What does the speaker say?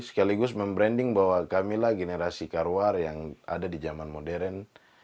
sekaligus membranding bahwa kamilah generasi karwar yang ada di zaman modern